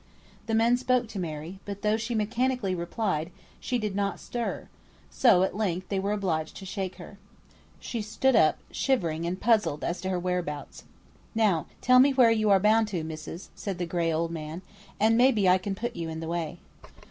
The men spoke to Mary, but though she mechanically replied, she did not stir; so, at length, they were obliged to shake her. She stood up, shivering and puzzled as to her whereabouts. "Now tell me where you are bound to, missis," said the gray old man, "and maybe I can put you in the way."